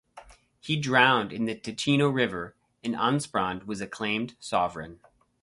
He drowned in the Ticino River and Ansprand was acclaimed sovereign.